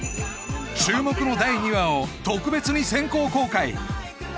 注目の第２話を特別に先行公開